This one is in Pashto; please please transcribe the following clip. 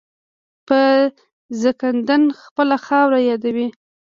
په ځانکدن خپله خاوره یادوي.